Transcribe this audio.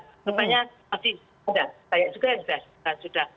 rupanya masih ada banyak juga yang sudah